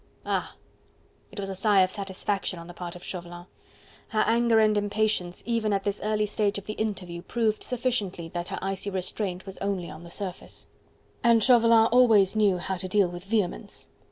"Ah!" It was a sigh of satisfaction on the part of Chauvelin. Her anger and impatience even at this early stage of the interview proved sufficiently that her icy restraint was only on the surface. And Chauvelin always knew how to deal with vehemence.